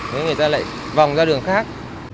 nếu người ta lại vòng ra đường khác